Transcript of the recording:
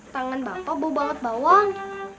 tangan bapak bau balap bawang